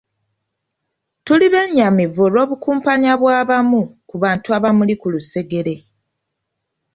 Tuli bennyamivu olw’obukumpanya bw’abamu ku bantu abamuli ku lusegere.